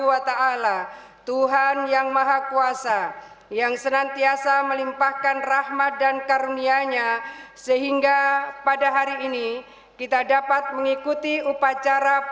wa ta'ala tuhan yang maha kuasa yang senantiasa melayani dan menjaga kekuasaan kita dan kekuasaan